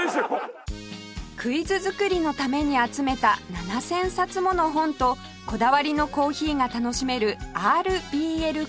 クイズ作りのために集めた７０００冊もの本とこだわりのコーヒーが楽しめる ＲＢＬＣＡＦＥ